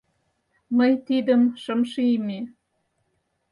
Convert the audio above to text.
Мый тидым шым шийме.